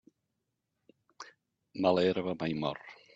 Mala herba mai mor.